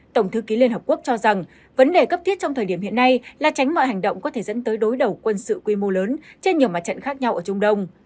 tổng thư ký liên hợp quốc cho rằng vấn đề cấp thiết trong thời điểm hiện nay là tránh mọi hành động có thể dẫn tới đối đầu quân sự quy mô lớn trên nhiều mặt trận khác nhau ở trung đông